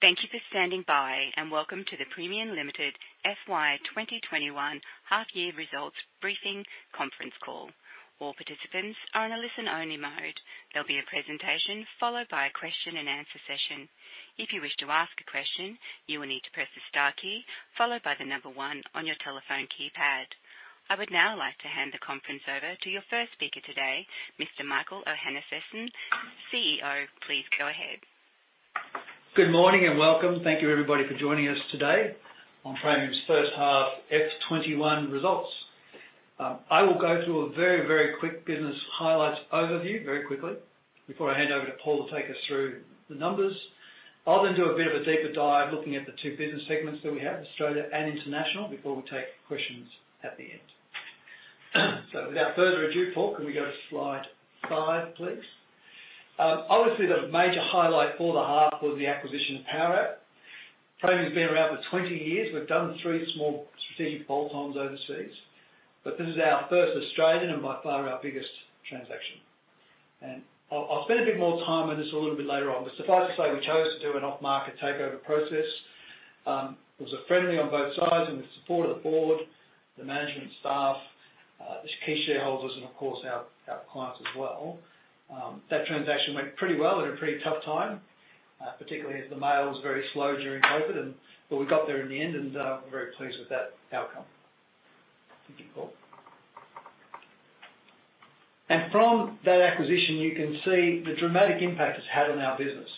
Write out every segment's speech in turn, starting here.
Thank you for standing by, and welcome to the Praemium Limited FY 2021 half-year results briefing conference call. All participants are in a listen-only mode. There'll be a presentation followed by a question and answer session. If you wish to ask a question, you will need to press the star key followed by the number one on your telephone keypad. I would now like to hand the conference over to your first speaker today, Mr. Michael Ohanessian, CEO. Please go ahead. Good morning and welcome. Thank you everybody for joining us today on Praemium's first half F 2021 results. I will go through a very, very quick business highlights overview very quickly before I hand over to Paul to take us through the numbers. I'll then do a bit of a deeper dive looking at the two business segments that we have, Australia and international, before we take questions at the end. Without further ado, Paul, can we go to Slide 5, please? Obviously, the major highlight for the half was the acquisition of Powerwrap. Praemium's been around for 20 years. We've done three small strategic bolt-ons overseas, but this is our first Australian and by far our biggest transaction. I'll spend a bit more time on this a little bit later on. Suffice to say, we chose to do an off-market takeover process. It was friendly on both sides and the support of the board, the management staff, the key shareholders and of course our clients as well. That transaction went pretty well at a pretty tough time, particularly as the mail was very slow during COVID, but we got there in the end and we're very pleased with that outcome. Thank you, Paul. From that acquisition, you can see the dramatic impact it's had on our business.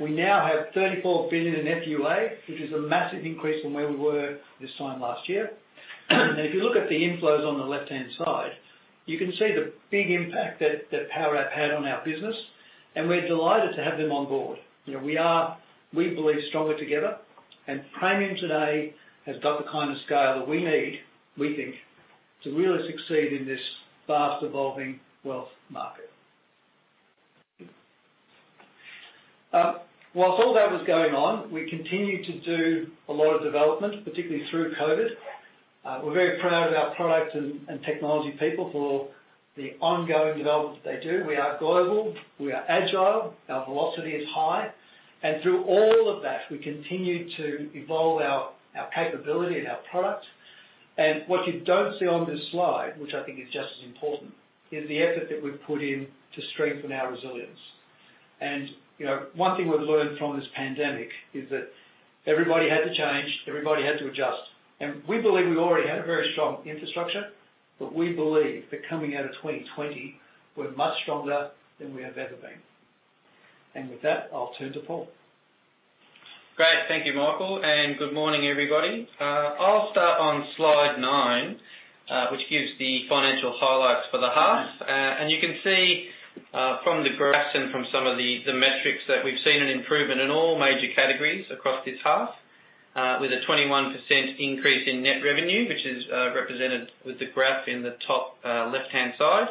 We now have 34 billion in FUA, which is a massive increase from where we were this time last year. If you look at the inflows on the left-hand side, you can see the big impact that Powerwrap had on our business, and we're delighted to have them on board. We believe stronger together. Praemium today has got the kind of scale that we need, we think, to really succeed in this fast-evolving wealth market. Whilst all that was going on, we continued to do a lot of development, particularly through COVID. We're very proud of our product and technology people for the ongoing development that they do. We are global, we are agile, our velocity is high. Through all of that, we continue to evolve our capability and our product. What you don't see on this slide, which I think is just as important, is the effort that we've put in to strengthen our resilience. One thing we've learned from this pandemic is that everybody had to change, everybody had to adjust. We believe we already had a very strong infrastructure, but we believe that coming out of 2020, we're much stronger than we have ever been. With that, I'll turn to Paul. Great. Thank you, Michael. Good morning, everybody. I'll start on Slide 9, which gives the financial highlights for the half. You can see from the graphs and from some of the metrics that we've seen an improvement in all major categories across this half, with a 21% increase in net revenue, which is represented with the graph in the top left-hand side.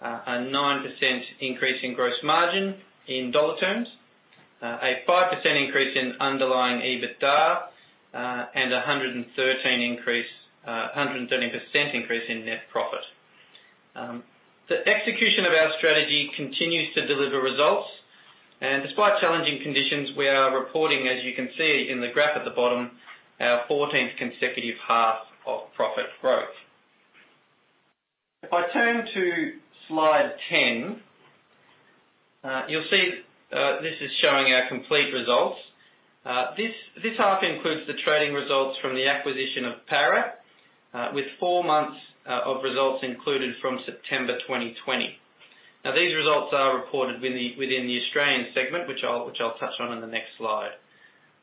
A 9% increase in gross margin in dollar terms, a 5% increase in underlying EBITDA, and a 130% increase in net profit. The execution of our strategy continues to deliver results. Despite challenging conditions, we are reporting, as you can see in the graph at the bottom, our 14 consecutive half of profit growth. If I turn to Slide 10, you'll see, this is showing our complete results. This half includes the trading results from the acquisition of Powerwrap, with four months of results included from September 2020. These results are reported within the Australian segment, which I'll touch on in the next slide.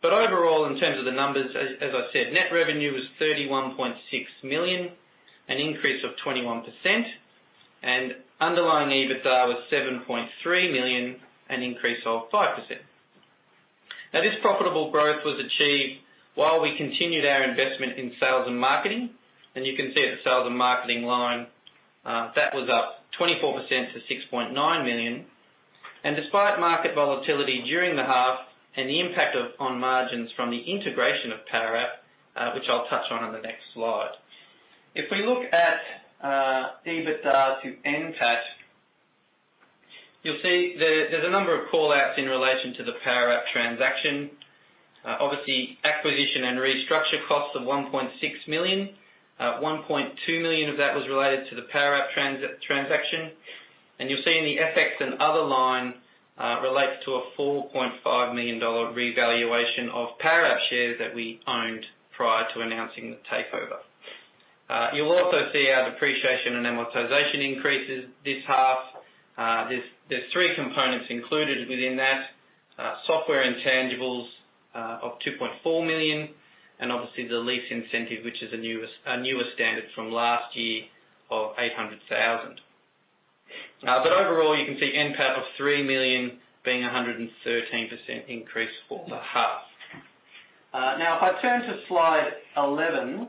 Overall, in terms of the numbers, as I said, net revenue was 31.6 million, an increase of 21%. Underlying EBITDA was 7.3 million, an increase of 5%. This profitable growth was achieved while we continued our investment in sales and marketing. You can see at the sales and marketing line, that was up 24% to 6.9 million. Despite market volatility during the half and the impact of, on margins from the integration of Powerwrap, which I'll touch on in the next slide. If we look at EBITDA to NPAT, you'll see there's a number of call-outs in relation to the Powerwrap transaction. Obviously acquisition and restructure costs of 1.6 million. 1.2 million of that was related to the Powerwrap transaction. You'll see in the FX and other line relates to a 4.5 million dollar revaluation of Powerwrap shares that we owned prior to announcing the takeover. You'll also see our depreciation and amortization increases this half. There's three components included within that. Software intangibles of 2.4 million, and obviously the lease incentive, which is a newer standard from last year of 800,000. Overall, you can see NPAT of 3 million being a 113% increase for the half. If I turn to Slide 11,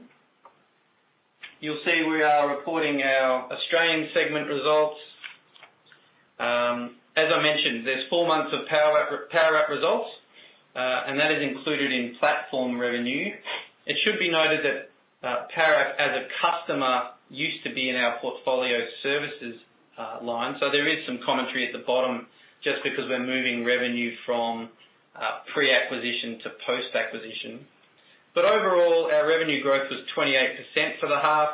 you'll see we are reporting our Australian segment results. As I mentioned, there's four months of Powerwrap results, and that is included in platform revenue. It should be noted that Powerwrap customer used to be in our portfolio services line. There is some commentary at the bottom just because we're moving revenue from pre-acquisition to post-acquisition. Overall, our revenue growth was 28% for the half.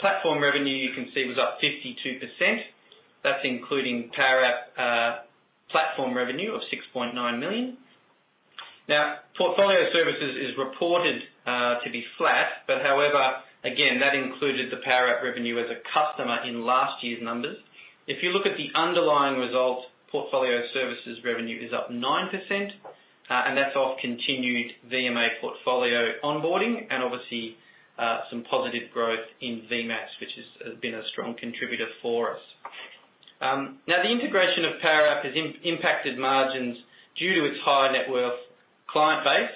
Platform revenue, you can see, was up 52%. That's including Powerwrap platform revenue of 6.9 million. Portfolio services is reported to be flat. However, again, that included the Powerwrap revenue as a customer in last year's numbers. If you look at the underlying results, portfolio services revenue is up 9%, and that's off continued VMA portfolio onboarding and obviously some positive growth in VMAS, which has been a strong contributor for us. The integration of Powerwrap has impacted margins due to its high net worth client base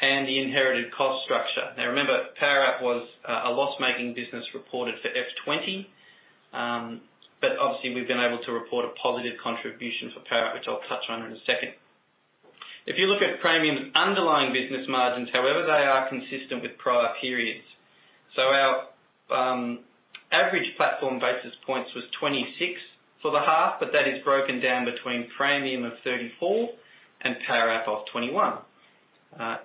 and the inherited cost structure. Remember, Powerwrap was a loss-making business reported for FY 2020. Obviously, we've been able to report a positive contribution for Powerwrap, which I'll touch on in a second. If you look at Praemium's underlying business margins, however, they are consistent with prior periods. Our average platform basis points was 26 for the half, that is broken down between Praemium of 34 and Powerwrap of 21.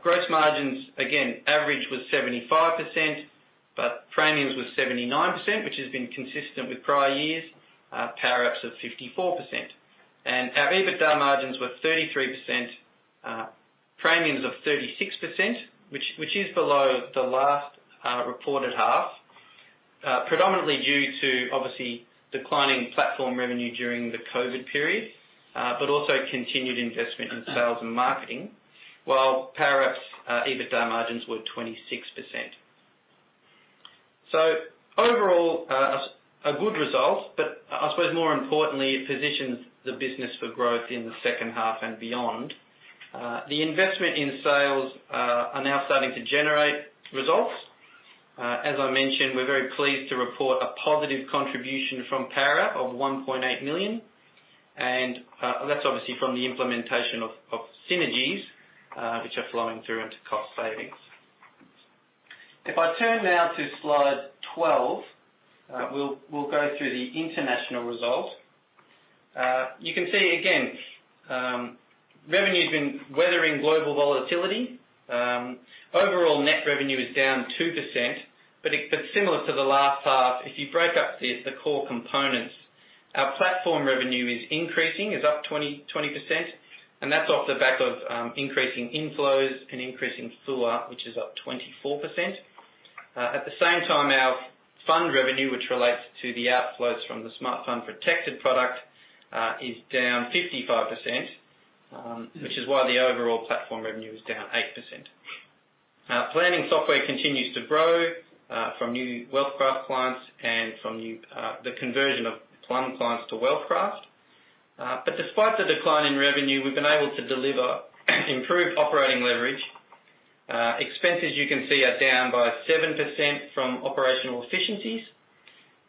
Gross margins, again, average was 75%, Praemium's was 79%, which has been consistent with prior years. Powerwrap's was 54%. Our EBITDA margins were 33%, Praemium's of 36%, which is below the last reported half, predominantly due to obviously declining platform revenue during the COVID period, but also continued investment in sales and marketing, while Powerwrap's EBITDA margins were 26%. Overall, a good result, but I suppose more importantly, it positions the business for growth in the second half and beyond. The investment in sales are now starting to generate results. As I mentioned, we're very pleased to report a positive contribution from Powerwrap of 1.8 million, and that's obviously from the implementation of synergies, which are flowing through into cost savings. If I turn now to Slide 12, we'll go through the international results. You can see, again, revenue's been weathering global volatility. Overall net revenue is down 2%, but similar to the last half, if you break up the core components, our platform revenue is increasing, is up 20%, and that's off the back of increasing inflows and increasing FUA, which is up 24%. At the same time, our fund revenue, which relates to the outflows from the Smartfund protected product, is down 55%, which is why the overall platform revenue is down 8%. Our planning software continues to grow from new WealthCraft clients and from the conversion of Plan clients to WealthCraft. Despite the decline in revenue, we've been able to deliver improved operating leverage. Expenses, you can see, are down by 7% from operational efficiencies.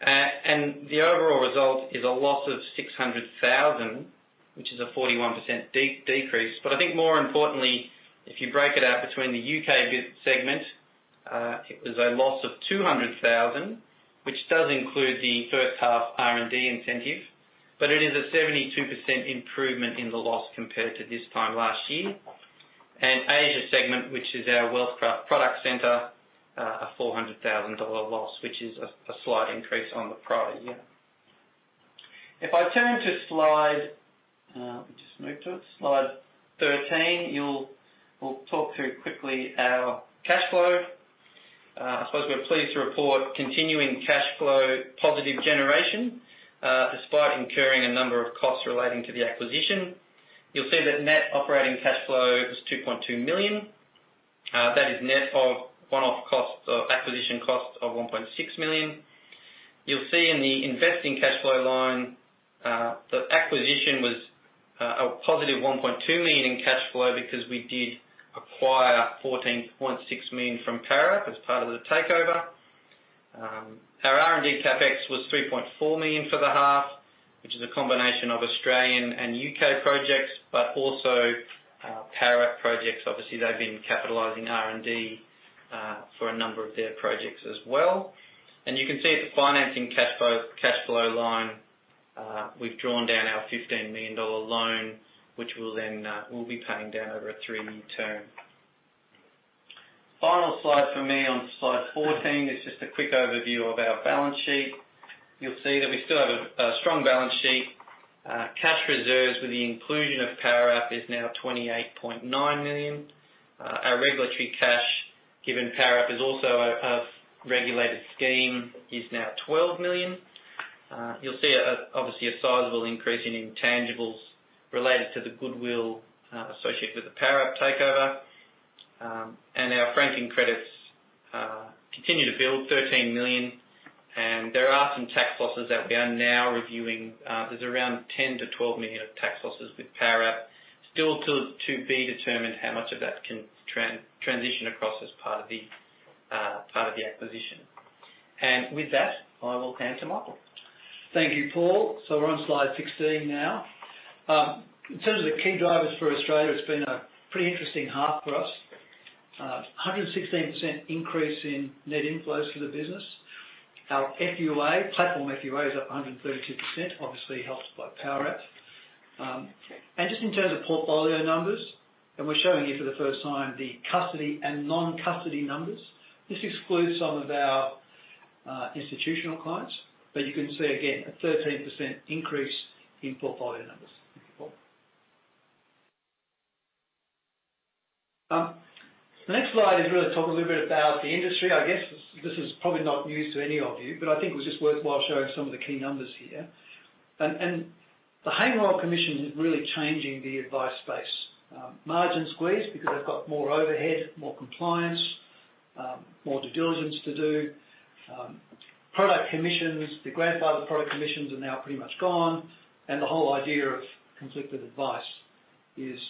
The overall result is a loss of 600,000, which is a 41% decrease. I think more importantly, if you break it out between the U.K. segment, it was a loss of 200,000, which does include the first half R&D incentive, but it is a 72% improvement in the loss compared to this time last year. Asia segment, which is our WealthCraft product center, an 400,000 dollar loss, which is a slight increase on the prior year. If I turn to slide, let me just move to it, Slide 13, we'll talk through quickly our cash flow. I suppose we're pleased to report continuing cash flow positive generation, despite incurring a number of costs relating to the acquisition. You'll see that net operating cash flow was 2.2 million. That is net of one-off costs of acquisition costs of 1.6 million. You'll see in the investing cash flow line that acquisition was a positive 1.2 million in cash flow because we did acquire 14.6 million from Powerwrap as part of the takeover. Our R&D CapEx was 3.4 million for the half, which is a combination of Australian and U.K. projects, but also Powerwrap projects. Obviously, they've been capitalizing R&D for a number of their projects as well. You can see at the financing cash flow line, we've drawn down our 15 million dollar loan, which we'll be paying down over a three-year term. Final slide for me on Slide 14 is just a quick overview of our balance sheet. You'll see that we still have a strong balance sheet. Cash reserves with the inclusion of Powerwrap is now 28.9 million. Our regulatory cash, given Powerwrap is also a regulated scheme, is now 12 million. You'll see, obviously, a sizable increase in intangibles related to the goodwill associated with the Powerwrap takeover. Our franking credits continue to build, 13 million, and there are some tax losses that we are now reviewing. There's around 10 million-12 million of tax losses with Powerwrap. Still to be determined how much of that can transition across as part of the acquisition. With that, I will hand to Michael. Thank you, Paul. We're on Slide 16 now. In terms of the key drivers for Australia, it's been a pretty interesting half for us. 116% increase in net inflows for the business. Our FUA, platform FUA is up 132%, obviously helped by Powerwrap. Just in terms of portfolio numbers, and we're showing here for the first time the custody and non-custody numbers. This excludes some of our institutional clients. You can see again, a 13% increase in portfolio numbers. Thank you, Paul. The next slide is really talk a little bit about the industry. I guess this is probably not news to any of you, but I think it was just worthwhile showing some of the key numbers here. The Hayne Royal Commission is really changing the advice space. Margin squeeze because they've got more overhead, more compliance, more due diligence to do. Product commissions, the grandfathered product commissions are now pretty much gone, and the whole idea of conflicted advice is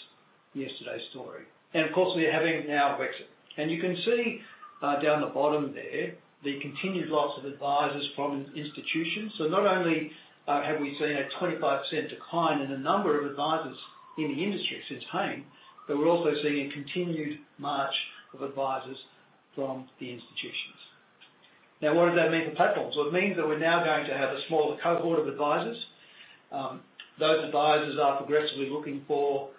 yesterday's story. Of course, we're having now Brexit. You can see down the bottom there, the continued loss of advisors from institutions. Not only have we seen a 25% decline in the number of advisors in the industry since Hayne, but we're also seeing a continued march of advisors from the institutions. Now, what does that mean for platforms? Well, it means that we're now going to have a smaller cohort of advisors. Those advisors are progressively looking for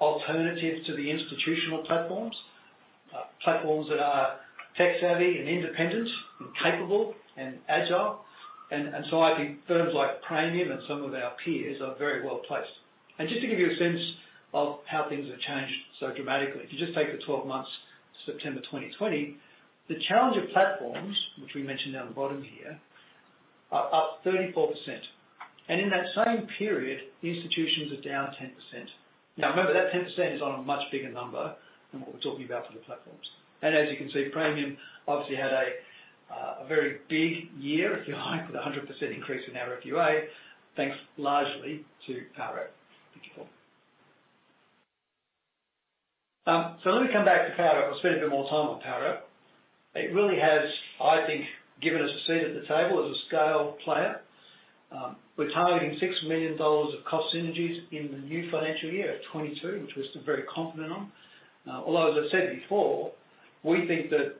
alternatives to the institutional platforms that are tech-savvy and independent and capable and agile. I think firms like Praemium and some of our peers are very well-placed. Just to give you a sense of how things have changed so dramatically, if you just take the 12 months to September 2020, the challenger platforms, which we mention down the bottom here, are up 34%. In that same period, the institutions are down 10%. Now remember, that 10% is on a much bigger number than what we're talking about for the platforms. As you can see, Praemium obviously had a very big year, if you like, with 100% increase in our FUA, thanks largely to Powerwrap. Thank you, Paul. Let me come back to Powerwrap. I'll spend a bit more time on Powerwrap. It really has, I think, given us a seat at the table as a scale player. We're targeting 6 million dollars of cost synergies in the new financial year 2022, which we're still very confident on. Although, as I said before, we think that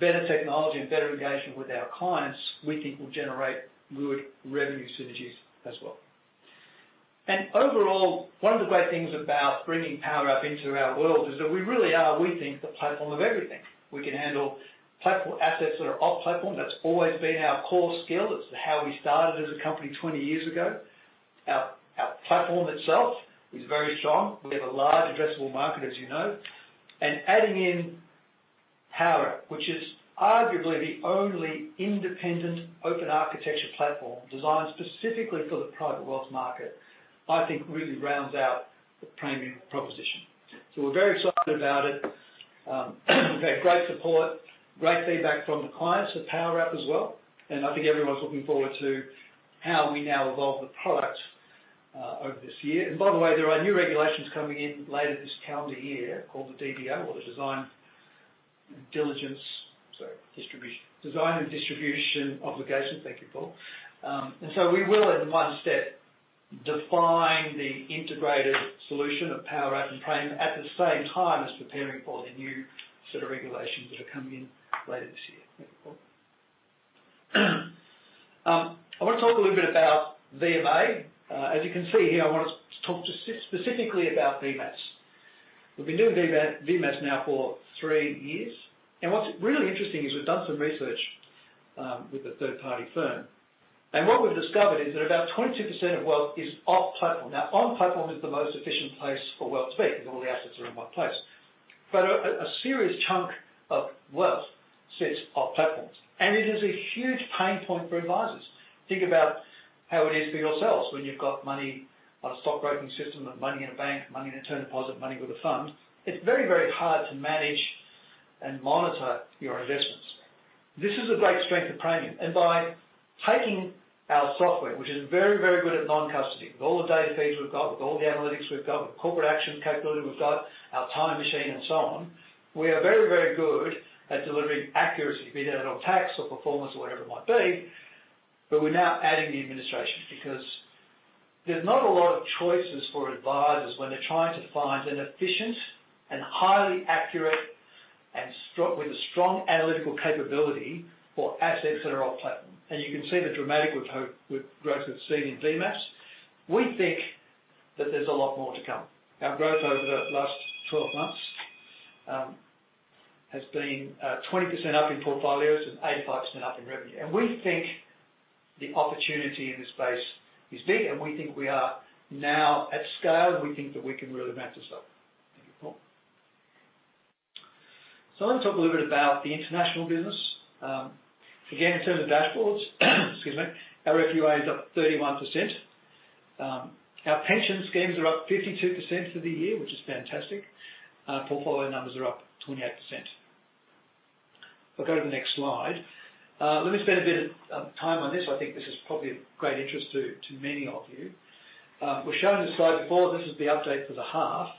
better technology and better engagement with our clients, we think will generate good revenue synergies as well. Overall, one of the great things about bringing Powerwrap into our world is that we really are, we think, the platform of everything. We can handle platform assets that are off platform. That's always been our core skill. That's how we started as a company 20 years ago. Our platform itself is very strong. We have a large addressable market, as you know. Adding in Powerwrap, which is arguably the only independent open architecture platform designed specifically for the private wealth market, I think really rounds out the Praemium proposition. We're very excited about it. We've had great support, great feedback from the clients of Powerwrap as well. I think everyone's looking forward to how we now evolve the product, over this year. By the way, there are new regulations coming in later this calendar year called the DDO or the Design, Diligence, sorry- Distribution. Design and Distribution Obligation. Thank you, Paul. We will, in one step, define the integrated solution of Powerwrap and Praemium at the same time as preparing for the new set of regulations that are coming in later this year. Thank you, Paul. I want to talk a little bit about VMA. As you can see here, I want to talk specifically about VMAS. We've been doing VMAS now for three years. What's really interesting is we've done some research, with third-party firm. What we've discovered is that about 22% of wealth is off platform. Now, on platform is the most efficient place for wealth to be because all the assets are in one place. A serious chunk of wealth sits off platforms, and it is a huge pain point for advisors. Think about how it is for yourselves when you've got money, a stockbroking system, money in a bank, money in a term deposit, money with a fund. It's very, very hard to manage and monitor your investments. This is a great strength of Praemium, by taking our software, which is very, very good at non-custody, with all the data feeds we've got, with all the analytics we've got, with corporate action capability we've got, our time machine and so on. We are very, very good at delivering accuracy, be that on tax or performance or whatever it might be, we're now adding the administration because there's not a lot of choices for advisors when they're trying to find an efficient and highly accurate, with a strong analytical capability for assets that are off platform. You can see the dramatic growth we've seen in VMAS. We think that there's a lot more to come. Our growth over the last 12 months has been 20% up in portfolios and 85% up in revenue. We think the opportunity in this space is big, we think we are now at scale, we think that we can really back ourselves. Thank you, Paul. I want to talk a little bit about the international business. Again, in terms of dashboards, excuse me, our FUA is up 31%. Our pension schemes are up 52% for the year, which is fantastic. Portfolio numbers are up 28%. If I go to the next slide. Let me spend a bit of time on this. I think this is probably of great interest to many of you. We've shown this slide before. This is the update for the half.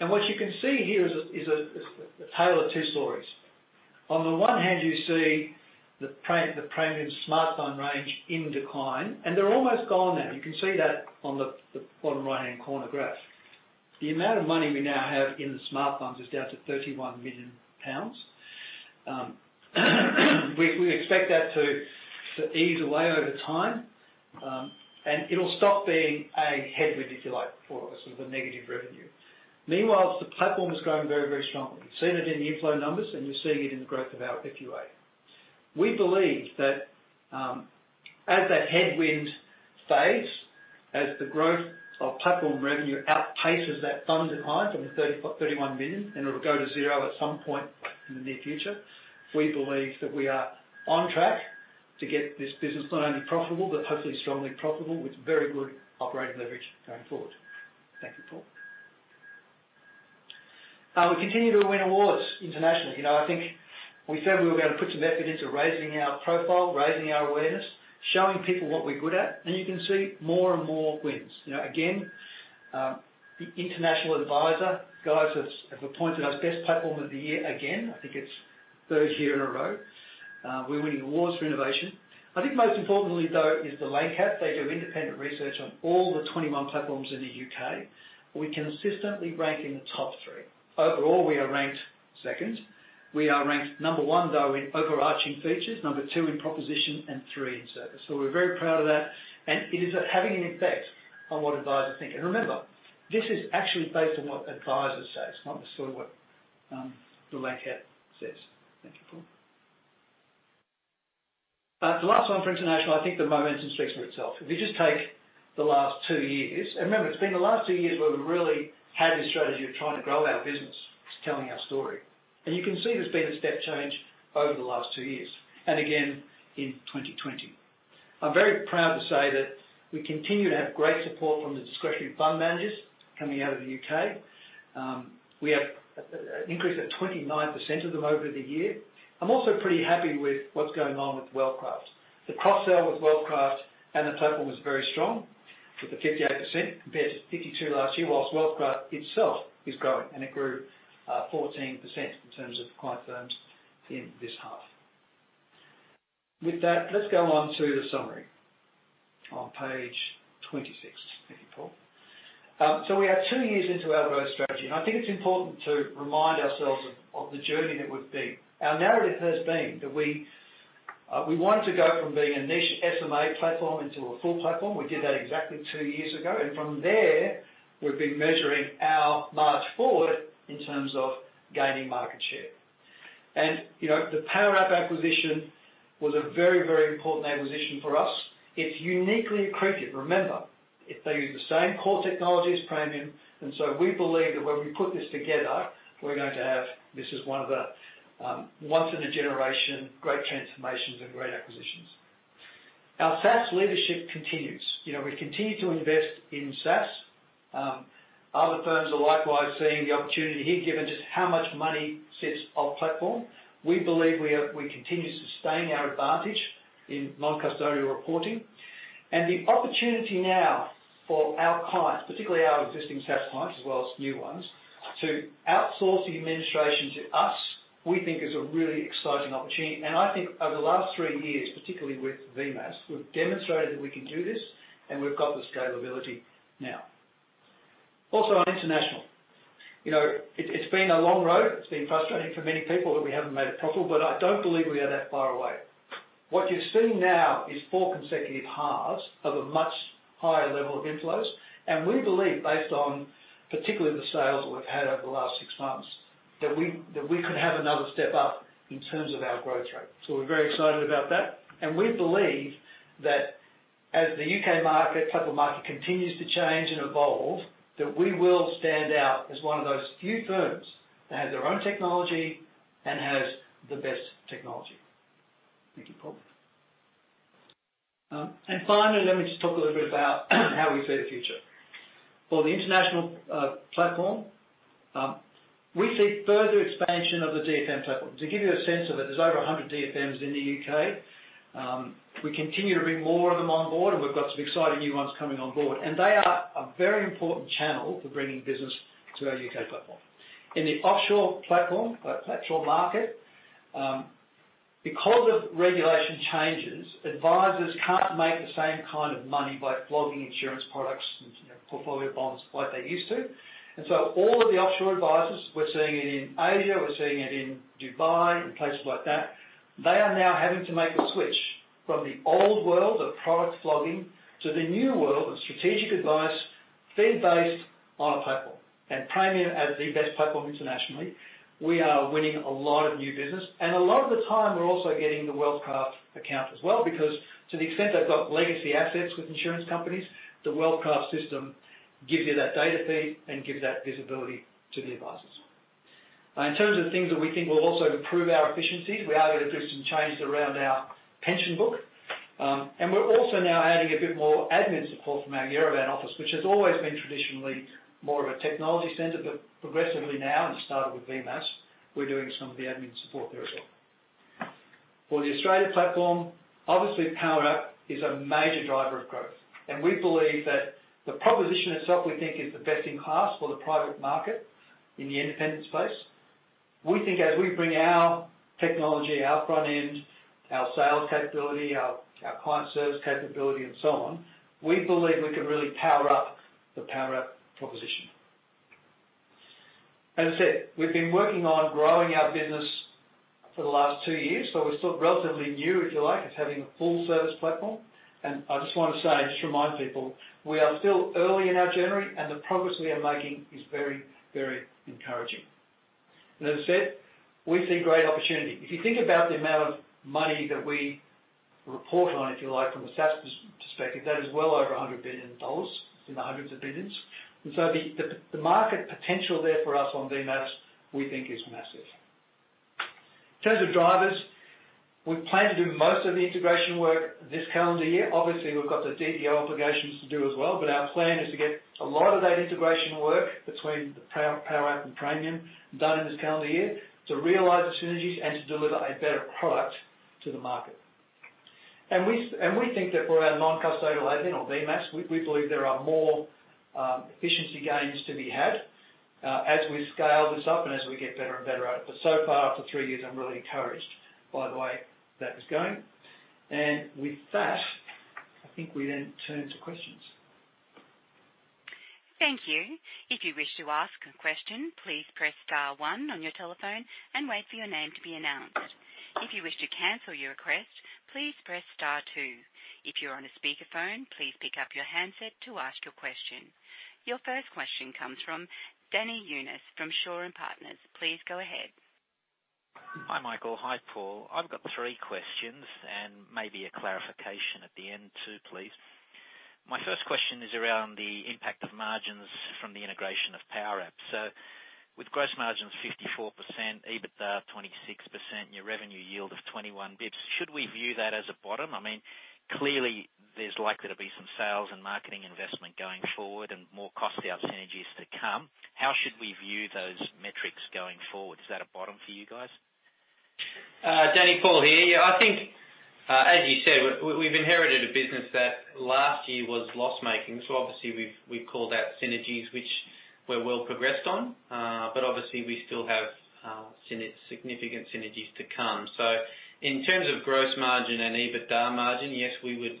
What you can see here is a tale of two stories. On the one hand, you see the Praemium Smartfund range in decline, and they're almost gone now. You can see that on the bottom right-hand corner graph. The amount of money we now have in the Smartfunds is down to 31 million pounds. We expect that to ease away over time. It'll stop being a headwind if you like, for us, with a negative revenue. Meanwhile, the platform is growing very, very strongly. You've seen it in the inflow numbers. You're seeing it in the growth of our FUA. We believe that as that headwind fades, as the growth of platform revenue outpaces that fund decline from 31 million, it'll go to zero at some point in the near future. We believe that we are on track to get this business not only profitable, but hopefully strongly profitable with very good operating leverage going forward. Thank you, Paul. We continue to win awards internationally. I think we said we were going to put some effort into raising our profile, raising our awareness, showing people what we're good at, and you can see more and more wins. Again, the International Adviser guys have appointed us International Platform of the year again. I think it's the third year in a row. We're winning awards for innovation. I think most importantly, though, is The Lang Cat. They do independent research on all the 21 platforms in the U.K. We consistently rank in the top three. Overall, we are ranked second. We are ranked number one, though, in overarching features, number two in proposition, and three in service. We're very proud of that, and it is having an effect on what advisors think. Remember, this is actually based on what advisors say. It's not necessarily what The Lang Cat says. Thank you, Paul. The last one for international, I think the momentum speaks for itself. If you just take the last two years. Remember, it's been the last two years where we've really had this strategy of trying to grow our business, telling our story. You can see there's been a step change over the last two years. Again, in 2020. I'm very proud to say that we continue to have great support from the Discretionary Fund Managers coming out of the U.K. We have an increase of 29% of them over the year. I'm also pretty happy with what's going on with WealthCraft. The cross-sale with WealthCraft and the platform was very strong with the 58% compared to 52% last year, whilst WealthCraft itself is growing, and it grew 14% in terms of client firms in this half. With that, let's go on to the summary on page 26. Thank you, Paul. We are two years into our growth strategy, and I think it's important to remind ourselves of the journey that we've been. Our narrative has been that we wanted to go from being a niche SMA platform into a full platform. We did that exactly two years ago, and from there, we've been measuring our march forward in terms of gaining market share. The Powerwrap acquisition was a very, very important acquisition for us. It's uniquely accretive. Remember, they use the same core technology as Praemium, and so we believe that when we put this together, we're going to have this is one of the once-in-a-generation great transformations and great acquisitions. Our SaaS leadership continues. We continue to invest in SaaS. Other firms are likewise seeing the opportunity here, given just how much money sits off-platform. We believe we continue to sustain our advantage in non-custodial reporting. The opportunity now for our clients, particularly our existing SaaS clients, as well as new ones, to outsource the administration to us, we think is a really exciting opportunity. I think over the last three years, particularly with VMAS, we've demonstrated that we can do this and we've got the scalability now. Also on international. It's been a long road. It's been frustrating for many people that we haven't made it profitable, but I don't believe we are that far away. What you're seeing now is four consecutive halves of a much higher level of inflows, and we believe, based on particularly the sales that we've had over the last six months, that we could have another step up in terms of our growth rate. We're very excited about that. We believe that as the U.K. platform market continues to change and evolve, that we will stand out as one of those few firms that have their own technology and has the best technology. Thank you, Paul. Finally, let me just talk a little bit about how we see the future. For the international platform, we see further expansion of the DFM platform. To give you a sense of it, there's over 100 DFMs in the U.K. We continue to bring more of them on board, and we've got some exciting new ones coming on board. They are a very important channel for bringing business to our U.K. platform. In the offshore platform, offshore market, because of regulation changes, advisors can't make the same kind of money by flogging insurance products and portfolio bonds like they used to. All of the offshore advisors, we're seeing it in Asia, we're seeing it in Dubai, in places like that, they are now having to make the switch from the old world of product flogging to the new world of strategic advice fee-based on a platform. Praemium, as the best platform internationally, we are winning a lot of new business. A lot of the time, we're also getting the WealthCraft account as well, because to the extent they've got legacy assets with insurance companies, the WealthCraft system gives you that data feed and gives that visibility to the advisors. In terms of things that we think will also improve our efficiency, we are going to do some changes around our pension book. We're also now adding a bit more admin support from our Yerevan office, which has always been traditionally more of a technology center, but progressively now, and it started with VMAS, we're doing some of the admin support there as well. For the Australia platform, obviously Powerwrap is a major driver of growth. We believe that the proposition itself, we think is the best in class for the private market in the independent space. We think as we bring our technology, our front end, our sales capability, our client service capability and so on, we believe we can really power up the Powerwrap proposition. As I said, we've been working on growing our business for the last two years, but we're still relatively new, if you like, as having a full service platform. I just want to say, just remind people, we are still early in our journey, and the progress we are making is very encouraging. As I said, we see great opportunity. If you think about the amount of money that we report on, if you like, from a SaaS perspective, that is well over 100 billion dollars, it's in the hundreds of billions. The market potential there for us on VMAS, we think is massive. In terms of drivers, we plan to do most of the integration work this calendar year. Obviously, we've got the DDO obligations to do as well, but our plan is to get a lot of that integration work between the Powerwrap and Praemium done in this calendar year to realize the synergies and to deliver a better product to the market. We think that for our non-custodial agent or VMAS, we believe there are more efficiency gains to be had as we scale this up and as we get better and better at it. So far, after three years, I'm really encouraged by the way that is going. With that, I think we then turn to questions. Thank you. If you wish to ask a question, please press star one on your telephone and wait for your name to be announced. If you wish to cancel your request, please press star two. If you're on a speakerphone, please pick up your handset to ask your question. Your first question comes from Danny Younis from Shaw and Partners. Please go ahead. Hi, Michael. Hi, Paul. I've got three questions and maybe a clarification at the end too, please. My first question is around the impact of margins from the integration of Powerwrap. With gross margins 54%, EBITDA of 26%, and your revenue yield of 21 basis points, should we view that as a bottom? Clearly there's likely to be some sales and marketing investment going forward and more cost out synergies to come. How should we view those metrics going forward? Is that a bottom for you guys? Danny, Paul here. I think, as you said, we've inherited a business that last year was loss-making. Obviously we've called out synergies, which we're well progressed on. Obviously we still have significant synergies to come. In terms of gross margin and EBITDA margin, yes, we would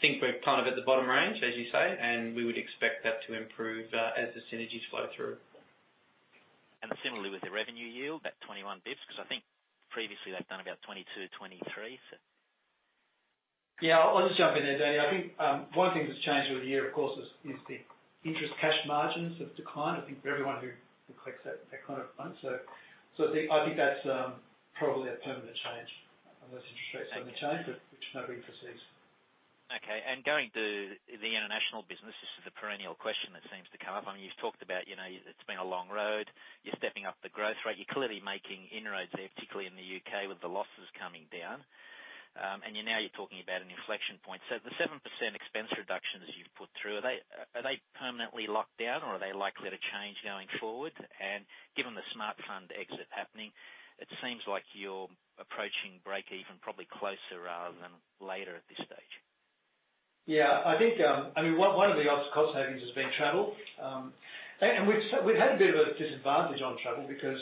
think we're at the bottom range, as you say, and we would expect that to improve as the synergies flow through. Similarly with the revenue yield at 21 bps, because I think previously they've done about 22, 23 bps. Yeah, I'll just jump in there, Danny. I think one thing that's changed over the year, of course, is the interest cash margins have declined. I think for everyone who collects that kind of fund. I think that's probably a permanent change unless interest rates suddenly change, which nobody foresees. Okay. Going to the international business, this is a perennial question that seems to come up. You've talked about it's been a long road. You're stepping up the growth rate. You're clearly making inroads there, particularly in the U.K. with the losses coming down. Now you're talking about an inflection point. The 7% expense reductions you've put through, are they permanently locked down or are they likely to change going forward? Given the Smartfund exit happening, it seems like you're approaching break even probably closer rather than later at this stage. One of the obvious cost savings has been travel. We've had a bit of a disadvantage on travel because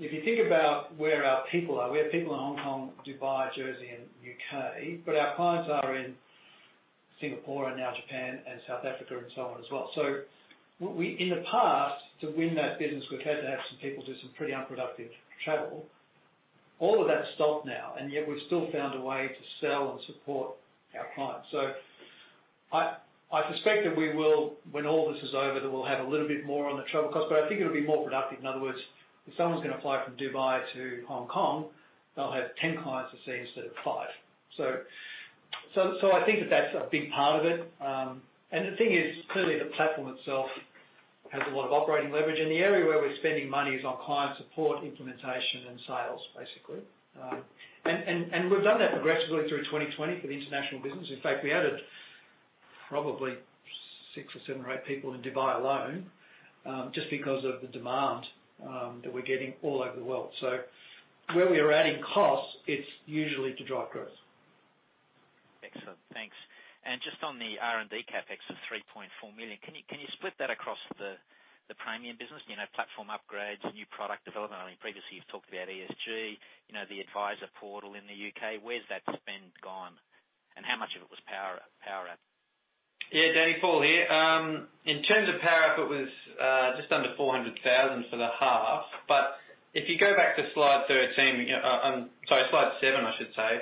if you think about where our people are, we have people in Hong Kong, Dubai, Jersey, and U.K., but our clients are in Singapore and now Japan and South Africa and so on as well. In the past, to win that business, we've had to have some people do some pretty unproductive travel. All of that's stopped now, and yet we've still found a way to sell and support our clients. I suspect that we will, when all this is over, that we'll have a little bit more on the travel cost, but I think it'll be more productive. In other words, if someone's going to fly from Dubai to Hong Kong, they'll have 10 clients to see instead of five. I think that that's a big part of it. The thing is, clearly the platform itself has a lot of operating leverage, and the area where we're spending money is on client support, implementation, and sales, basically. We've done that progressively through 2020 for the international business. In fact, we added probably six or seven or eight people in Dubai alone, just because of the demand that we're getting all over the world. Where we are adding costs, it's usually to drive growth. Excellent. Thanks. Just on the R&D CapEx of 3.4 million, can you split that across the Praemium business? Platform upgrades, new product development. I know previously you've talked about ESG, the advisor portal in the U.K. Where's that spend gone, and how much of it was Powerwrap? Yeah, Danny, Paul here. In terms of Powerwrap, it was just under 400,000 for the half. If you go back to Slide 13, sorry, Slide 7,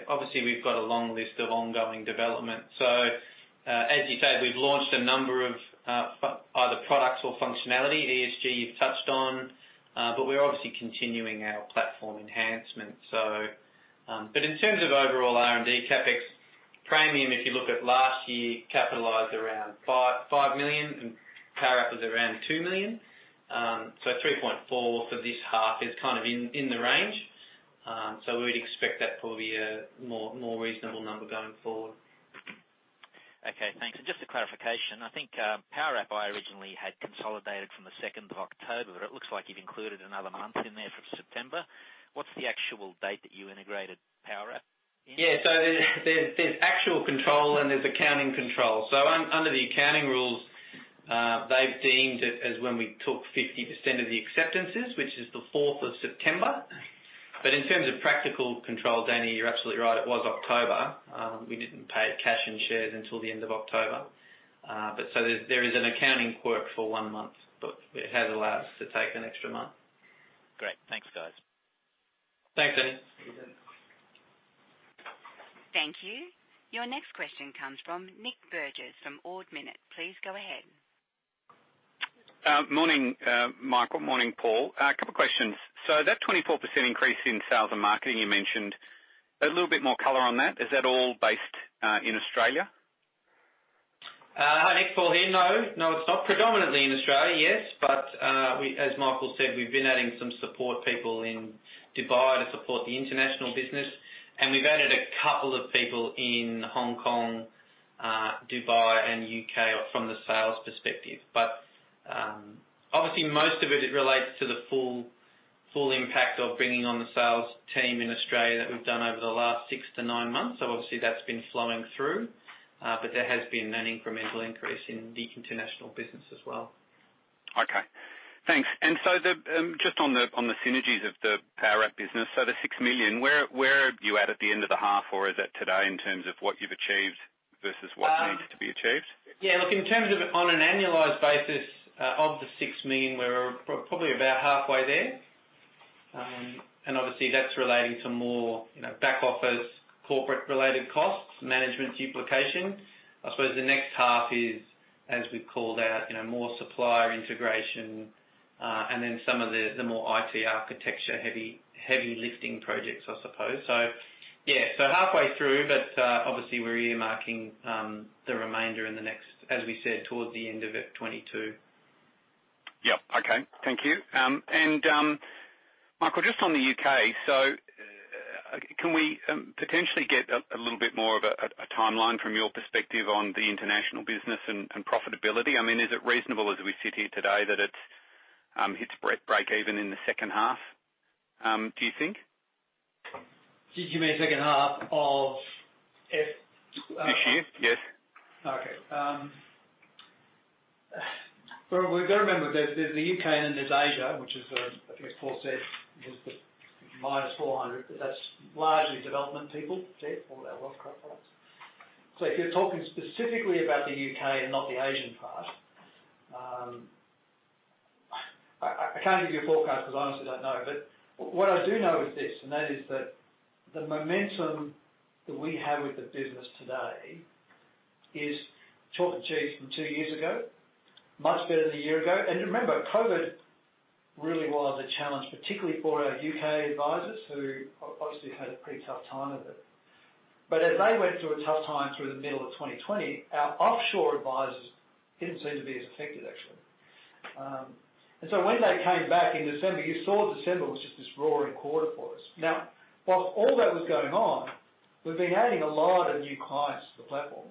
obviously we've got a long list of ongoing development. As you said, we've launched a number of either products or functionality, ESG you've touched on. We're obviously continuing our platform enhancement. In terms of overall R&D CapEx, Praemium, if you look at last year, capitalized around 5 million and Powerwrap was around 2 million. 3.4 million for this half is kind of in the range. We would expect that for the more reasonable number going forward. Okay, thanks. Just a clarification, I think Powerwrap I originally had consolidated from the 2nd of October, but it looks like you've included another month in there from September. What's the actual date that you integrated Powerwrap in? Yeah. There's actual control and there's accounting control. Under the accounting rules, they've deemed it as when we took 50% of the acceptances, which is the 4th of September. In terms of practical control, Danny, you're absolutely right, it was October. We didn't pay cash and shares until the end of October. There is an accounting quirk for one month, but it has allowed us to take an extra month. Great. Thanks, guys. Thanks, Danny. Thank you. Your next question comes from Nick Burgess from Ord Minnett. Please go ahead. Morning, Michael. Morning, Paul. A couple questions. That 24% increase in sales and marketing you mentioned, a little bit more color on that. Is that all based in Australia? Nick, Paul here. No. No, it's not. Predominantly in Australia, yes. As Michael said, we've been adding some support people in Dubai to support the international business, and we've added a couple of people in Hong Kong, Dubai, and U.K. from the sales perspective. Obviously most of it relates to the full impact of bringing on the sales team in Australia that we've done over the last six to nine months. Obviously that's been flowing through. There has been an incremental increase in the international business as well. Okay. Thanks. Just on the synergies of the Powerwrap business, so the 6 million, where are you at at the end of the half or is that today in terms of what you've achieved versus what needs to be achieved? Yeah, look, in terms of on an annualized basis of the 6 million, we're probably about halfway there. Obviously that's relating to more back office, corporate related costs, management duplication. I suppose the next half is, as we've called out, more supplier integration, and then some of the more IT architecture heavy lifting projects, I suppose. Yeah. Halfway through, but obviously we're earmarking the remainder in the next, as we said, towards the end of it, 2022. Yeah. Okay. Thank you. Michael, just on the U.K. Can we potentially get a little bit more of a timeline from your perspective on the international business and profitability? Is it reasonable as we sit here today that it hits breakeven in the second half, do you think? You mean second half of it? This year? Yes. Okay. Well, we've got to remember, there's the U.K. and there's Asia, which is, I think as Paul said, is the -400, but that's largely development people. See, all our wealth platforms. If you're talking specifically about the U.K. and not the Asian part, I can't give you a forecast because I honestly don't know. What I do know is this, and that is that the momentum that we have with the business today is chalk and cheese from two years ago, much better than a year ago. Remember, COVID really was a challenge, particularly for our U.K. advisers, who obviously had a pretty tough time of it. As they went through a tough time through the middle of 2020, our offshore advisers didn't seem to be as affected, actually. When they came back in December, you saw December was just this roaring quarter for us. Whilst all that was going on, we've been adding a lot of new clients to the platform.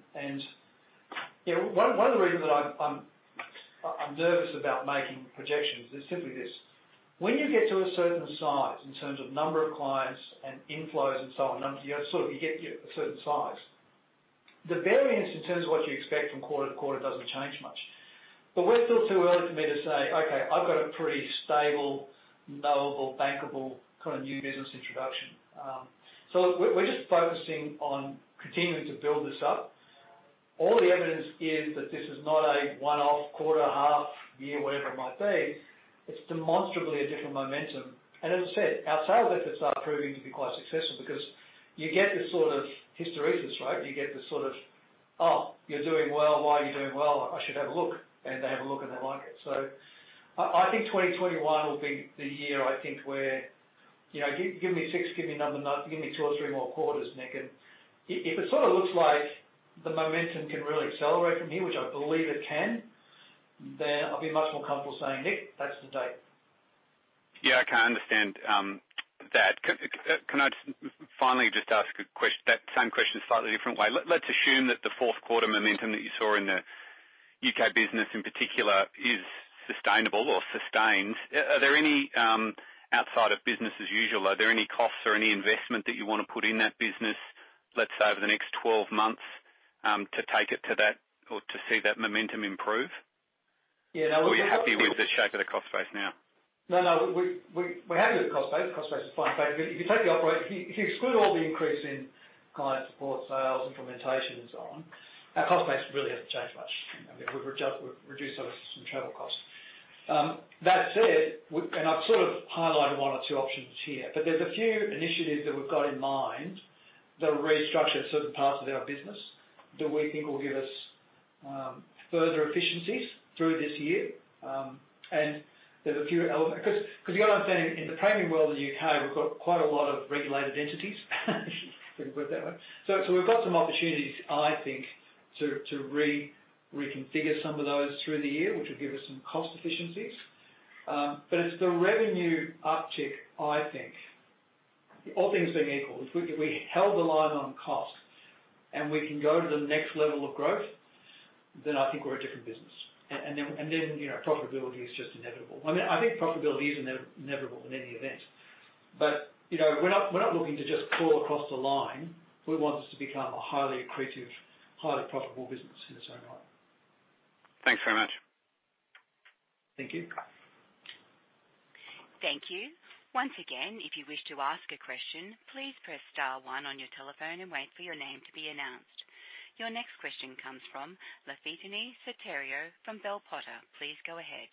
One of the reasons that I'm nervous about making projections is simply this: when you get to a certain size in terms of number of clients and inflows and so on, you get a certain size. The variance in terms of what you expect from quarter to quarter doesn't change much. We're still too early for me to say, "Okay, I've got a pretty stable, knowable, bankable new business introduction." We're just focusing on continuing to build this up. All the evidence is that this is not a one-off quarter, half, year, whatever it might be. It's demonstrably a different momentum. As I said, our sales efforts are proving to be quite successful because you get this hysteresis, right? You get this sort of, "Oh, you're doing well. Why are you doing well? I should have a look." They have a look and they like it. I think 2021 will be the year, I think where Give me six, give me another, give me two or three more quarters, Nick, and if it looks like the momentum can really accelerate from here, which I believe it can, then I'll be much more comfortable saying, "Nick, that's the date. Yeah, okay. I understand that. Can I just finally just ask that same question a slightly different way? Let's assume that the fourth quarter momentum that you saw in the U.K. business in particular is sustainable or sustained. Outside of business as usual, are there any costs or any investment that you want to put in that business, let's say, over the next 12 months, to take it to that or to see that momentum improve? Yeah- Are you happy with the shape of the cost base now? No, no, we're happy with the cost base. Cost base is fine. In fact, if you exclude all the increase in client support, sales, implementation, and so on, our cost base really hasn't changed much. We've reduced some travel costs. That said, I've highlighted one or two options here, but there's a few initiatives that we've got in mind that will restructure certain parts of our business that we think will give us further efficiencies through this year. There's a few elements. You got to understand, in the Praemium world in the U.K., we've got quite a lot of regulated entities, if we can put it that way. We've got some opportunities, I think, to reconfigure some of those through the year, which will give us some cost efficiencies. It's the revenue uptick, I think, all things being equal, if we held the line on cost and we can go to the next level of growth, then I think we're a different business. Profitability is just inevitable. I think profitability is inevitable in any event. We're not looking to just crawl across the line. We want this to become a highly accretive, highly profitable business in its own right. Thanks very much. Thank you. Thank you. Once again If you wish to ask question, please press star one on your telephone and wait for your name to be announced. Your next question comes from Lafitani Sotiriou from Bell Potter. Please go ahead.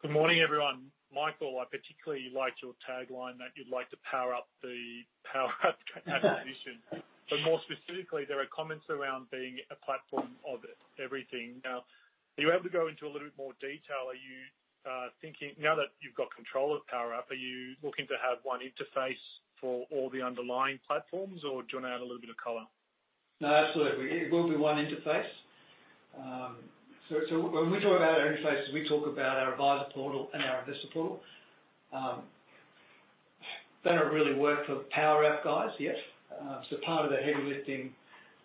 Good morning, everyone. Michael, I particularly liked your tagline that you'd like to power up the Powerwrap acquisition. More specifically, there are comments around being a platform of everything. Now, are you able to go into a little bit more detail? Now that you've got control of Powerwrap, are you looking to have one interface for all the underlying platforms, or do you want to add a little bit of color? No, absolutely. It will be one interface. When we talk about our interfaces, we talk about our adviser portal and our investor portal. They don't really work for the Powerwrap guys yet. Part of the heavy lifting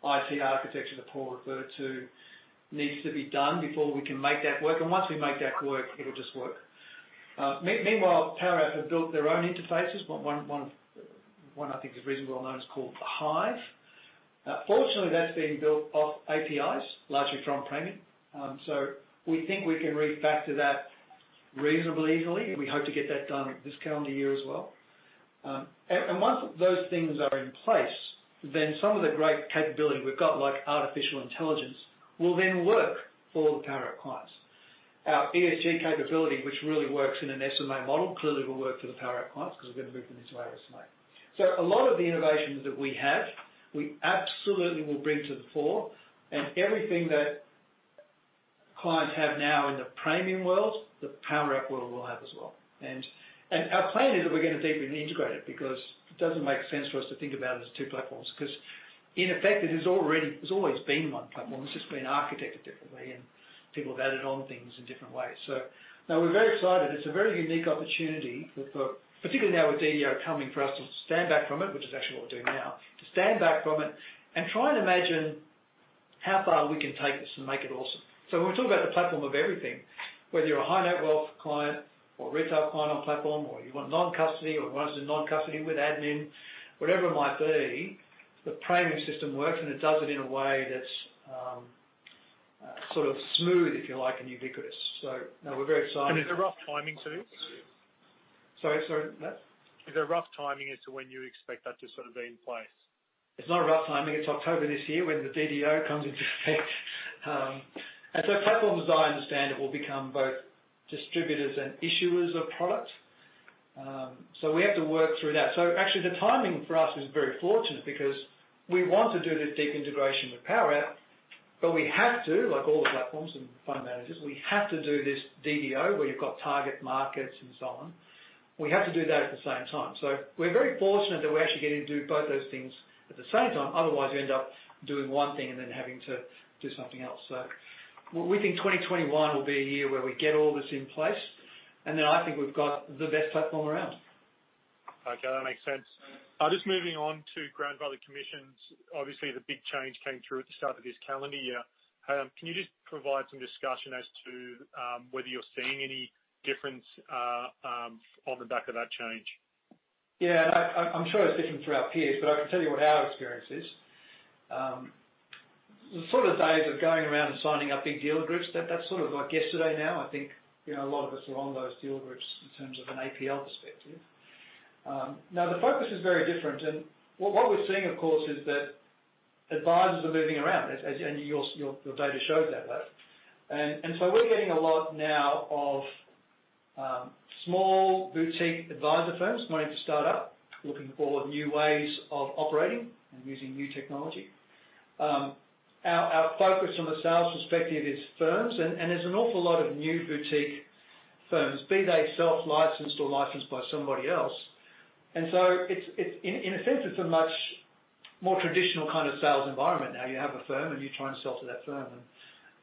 IT architecture that Paul referred to needs to be done before we can make that work. Once we make that work, it'll just work. Meanwhile, Powerwrap have built their own interfaces. One, I think, is reasonably well-known. It's called Hive. Fortunately, that's being built off APIs, largely from Praemium. We think we can refactor that reasonably easily, and we hope to get that done this calendar year as well. Once those things are in place, then some of the great capability we've got, like artificial intelligence, will then work for all the Powerwrap clients. Our ESG capability, which really works in an SMA model, clearly will work for the Powerwrap clients because we're going to move them into our SMA. A lot of the innovations that we have, we absolutely will bring to the fore, and everything that clients have now in the Praemium world, the Powerwrap world will have as well. Our plan is that we're going to deeply integrate it because it doesn't make sense for us to think about it as two platforms. In effect, it has always been one platform. It's just been architected differently, and people have added on things in different ways. No, we're very excited. It's a very unique opportunity, particularly now with DDO coming, for us to stand back from it, which is actually what we're doing now. To stand back from it and try and imagine how far we can take this and make it awesome. When we talk about the platform of everything, whether you're a high-net-wealth client or a retail client on platform, or you want non-custody or want to do non-custody with admin, whatever it might be, the Praemium system works, and it does it in a way that's smooth, if you like, and ubiquitous. No, we're very excited. Is there a rough timing to this? Sorry, what? Is there a rough timing as to when you expect that to be in place? It's not a rough timing. It's October this year when the DDO comes into effect. Platforms, as I understand it, will become both distributors and issuers of product. We have to work through that. Actually, the timing for us is very fortunate because we want to do this deep integration with Powerwrap, but we have to, like all the platforms and fund managers, we have to do this DDO where you've got target markets and so on. We have to do that at the same time. We're very fortunate that we're actually getting to do both those things at the same time. Otherwise, you end up doing one thing and then having to do something else. We think 2021 will be a year where we get all this in place, and then I think we've got the best platform around. Okay, that makes sense. Just moving on to grandfathered commissions. Obviously, the big change came through at the start of this calendar year. Can you just provide some discussion as to whether you're seeing any difference on the back of that change? Yeah. I'm sure it's different through our peers, but I can tell you what our experience is. The days of going around and signing up big dealer groups, that's like yesterday now. I think a lot of us are on those dealer groups in terms of an APL perspective. The focus is very different, and what we're seeing, of course, is that advisers are moving around, and your data shows that, Lafitani. We're getting a lot now of small boutique adviser firms wanting to start up, looking for new ways of operating and using new technology. Our focus from a sales perspective is firms, and there's an awful lot of new boutique firms, be they self-licensed or licensed by somebody else. In a sense, it's a much more traditional kind of sales environment now. You have a firm, you try and sell to that firm.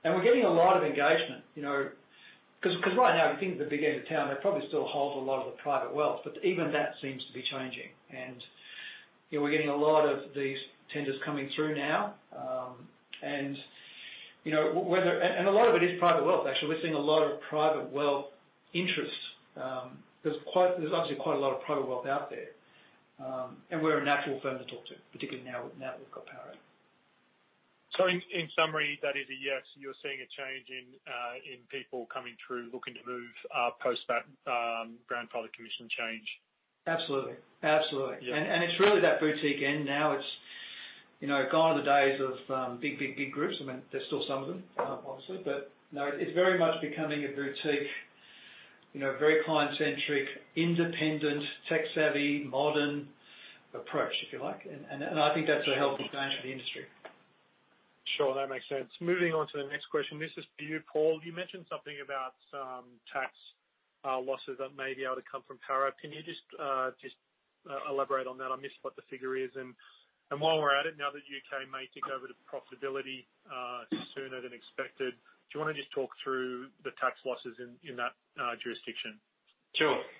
We're getting a lot of engagement. Right now, if you think of the big end of town, they probably still hold a lot of the private wealth, but even that seems to be changing. We're getting a lot of these tenders coming through now. A lot of it is private wealth, actually. We're seeing a lot of private wealth interests. There's obviously quite a lot of private wealth out there, and we're a natural firm to talk to, particularly now that we've got Powerwrap. In summary, that is a yes. You're seeing a change in people coming through looking to move post that grandfathered commission change. Absolutely. Absolutely. Yeah. It's really that boutique end now. Gone are the days of big, big, big groups. There's still some of them, obviously, but no, it's very much becoming a boutique, very client-centric, independent, tech-savvy, modern approach, if you like. I think that's a healthy change for the industry. Sure. That makes sense. Moving on to the next question. This is for you, Paul. You mentioned something about some tax losses that may be able to come from Powerwrap. Can you elaborate on that. I missed what the figure is. While we're at it, now that U.K. may tick over to profitability sooner than expected, do you want to just talk through the tax losses in that jurisdiction?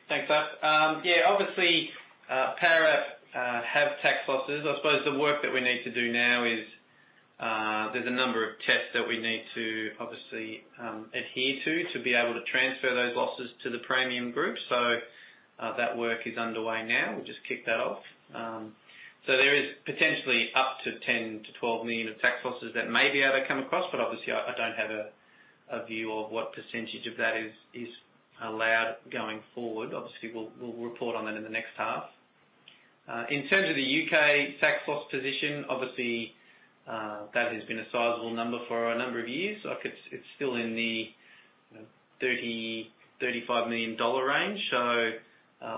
Thanks, Lafitani. Obviously, Powerwrap have tax losses. I suppose the work that we need to do now is, there's a number of tests that we need to obviously adhere to be able to transfer those losses to the Praemium group. That work is underway now. We'll just kick that off. There is potentially up to 10 million-12 million of tax losses that may be able to come across, but obviously I don't have a view of what percentage of that is allowed going forward. We'll report on that in the next half. In terms of the U.K. tax loss position, obviously, that has been a sizable number for a number of years. It's still in the 35 million dollar range.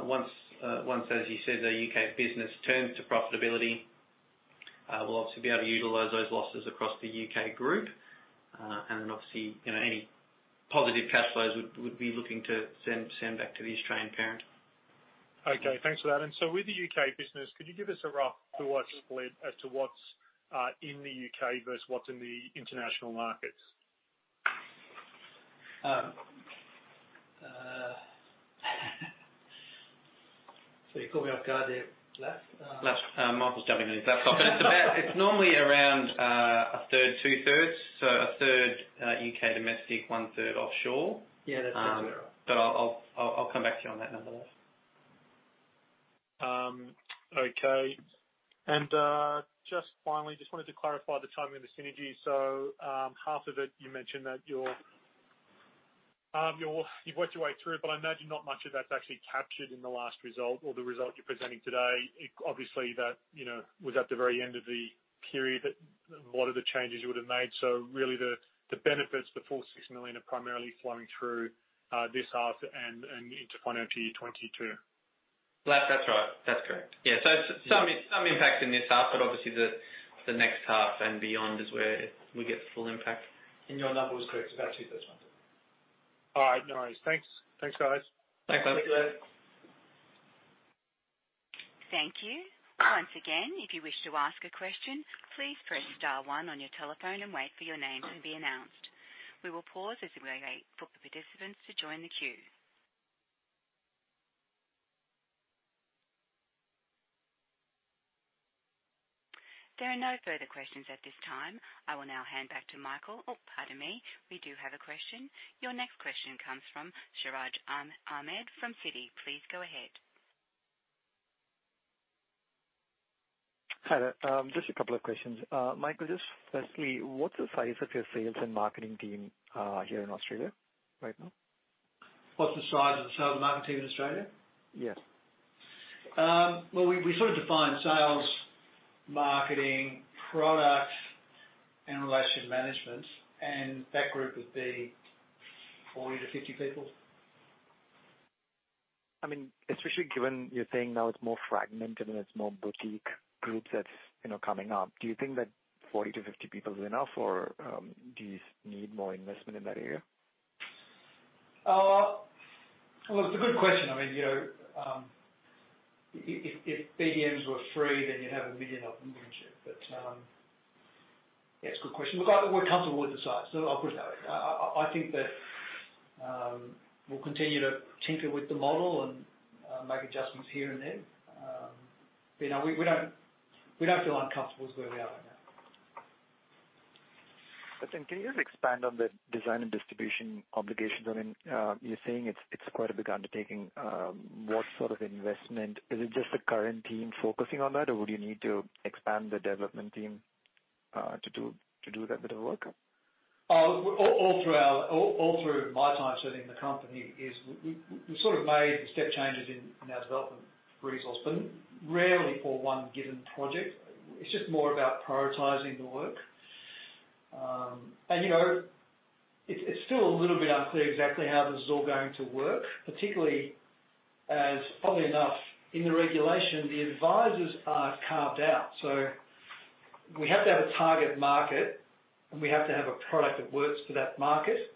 Once, as you said, the U.K. business turns to profitability, we'll obviously be able to utilize those losses across the U.K. group. Obviously, any positive cash flows we would be looking to send back to the Australian parent. Okay. Thanks for that. With the U.K. business, could you give us a rough, to what's split as to what's in the U.K. versus what's in the international markets? You caught me off guard there, Lafitani. Lafitani, Michael's jumping in. Lafitani, it's normally around 1/3, 2/3. 1/3 U.K. domestic, 1/3 offshore. Yeah, that's more clearer. I'll come back to you on that number. Okay. Just finally, just wanted to clarify the timing of the synergy. Half of it, you mentioned that you've worked your way through, but I imagine not much of that's actually captured in the last result or the result you're presenting today. Obviously that was at the very end of the period a lot of the changes you would've made. Really the benefits, the full 6 million are primarily flowing through this half and into financial year 2022. Lafitani, that's right. That's correct. Yeah, some impact in this half, but obviously the next half and beyond is where we get full impact. Your number was correct, about 2/3, 1/3. All right, nice. Thanks, guys. Thanks, Lafitani. Thank you. Thank you. Once again, if you wish to ask a question, please press star one on your telephone and wait for your name to be announced. We will pause as we wait for participants to join the queue. There are no further questions at this time. I will now hand back to, pardon me. We do have a question. Your next question comes from Siraj Ahmed from Citi. Please go ahead. Hi there. Just a couple of questions. Mike, just firstly, what's the size of your sales and marketing team here in Australia right now? What's the size of the sales and marketing team in Australia? Yes. Well, we define sales, marketing, product, and relationship management, and that group would be 40-50 people. Especially given you're saying now it's more fragmented and it's more boutique groups that's coming up, do you think that 40-50 people is enough or do you need more investment in that area? Well, it's a good question. If BDMs were free, then you'd have 1 million of them, wouldn't you? Yeah, it's a good question. Look, we're comfortable with the size. I'll put it that way. I think that we'll continue to tinker with the model and make adjustments here and there. We don't feel uncomfortable with where we are right now. Can you just expand on the Design and Distribution Obligations? You're saying it's quite a big undertaking. What sort of investment? Is it just the current team focusing on that, or would you need to expand the development team, to do that bit of work? All through my time serving the company is we've made step changes in our development resource, but rarely for one given project. It's just more about prioritizing the work. It's still a little bit unclear exactly how this is all going to work, particularly as, oddly enough, in the regulation, the advisors are carved out. We have to have a target market, and we have to have a product that works for that market.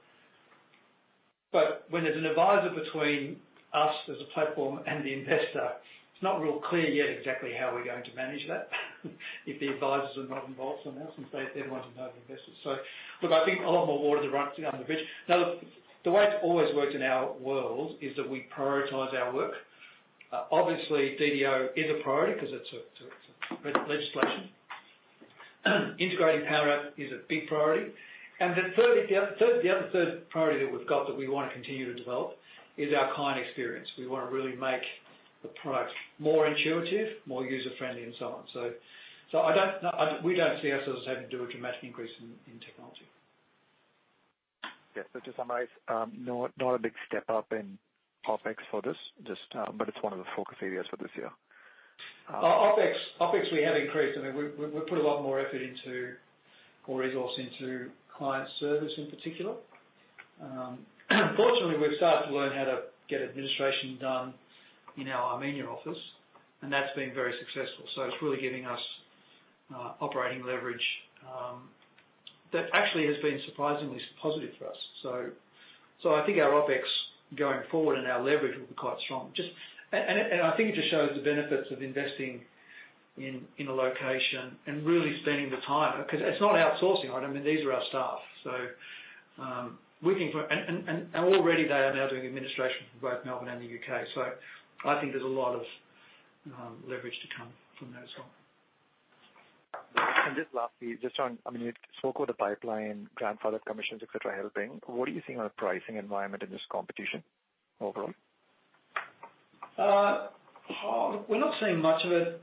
But when there's an advisor between us as a platform and the investor, it's not real clear yet exactly how we're going to manage that if the advisors are not involved somehow since they're the ones who know the investors. Look, I think a lot more water to run under the bridge. Look, the way it's always worked in our world is that we prioritize our work. Obviously, DDO is a priority because it's legislation. Integrating Powerwrap is a big priority. The other third priority that we've got that we want to continue to develop is our client experience. We want to really make the product more intuitive, more user-friendly and so on. We don't see ourselves having to do a dramatic increase in technology. Yeah. To summarize, not a big step up in OpEx for this. It's one of the focus areas for this year. OpEx we have increased. We put a lot more effort into, or resource into client service in particular. Fortunately, we've started to learn how to get administration done in our Armenia office. That's been very successful. It's really giving us operating leverage. That actually has been surprisingly positive for us. I think our OpEx going forward and our leverage will be quite strong. I think it just shows the benefits of investing in a location and really spending the time, because it's not outsourcing, right? These are our staff. Already they are now doing administration for both Melbourne and the U.K. I think there's a lot of leverage to come from that as well. Just lastly, you spoke of the pipeline, grandfathered commissions, etc, helping. What are you seeing on the pricing environment in this competition overall? We're not seeing much of it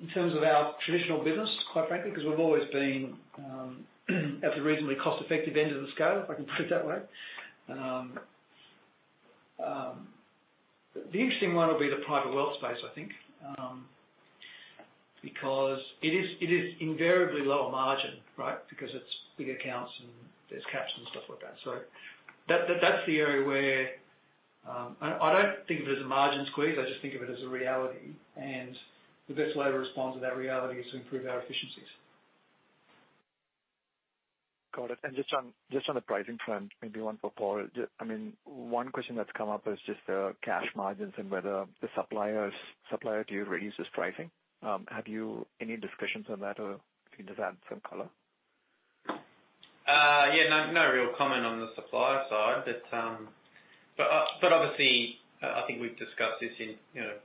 in terms of our traditional business, quite frankly, because we've always been at the reasonably cost-effective end of the scale, if I can put it that way. The interesting one will be the private wealth space, I think. It is invariably lower margin, right? It's bigger accounts and there's caps and stuff like that. That's the area where I don't think of it as a margin squeeze, I just think of it as a reality. The best way to respond to that reality is to improve our efficiencies. Got it. Just on the pricing front, maybe one for Paul. One question that's come up is just cash margins and whether the supplier to you reduces pricing. Have you any discussions on that or can you just add some color? Yeah. No real comment on the supplier side. Obviously, I think we've discussed this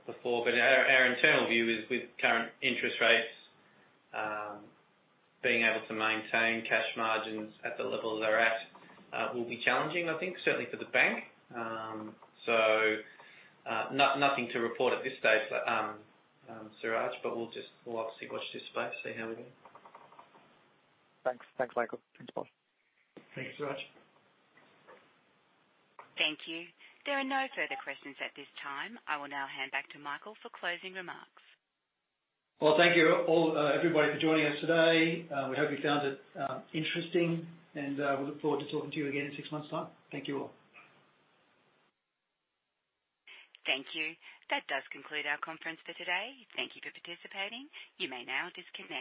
before, but our internal view is with current interest rates, being able to maintain cash margins at the level they're at will be challenging, I think, certainly for the bank. Nothing to report at this stage, Siraj, but we'll obviously watch this space, see how we go. Thanks, Michael. Thanks, Paul. Thanks, Siraj. Thank you. There are no further questions at this time. I will now hand back to Michael for closing remarks. Thank you, everybody, for joining us today. We hope you found it interesting, and we look forward to talking to you again in six months' time. Thank you all. Thank you. That does conclude our conference for today. Thank you for participating. You may now disconnect.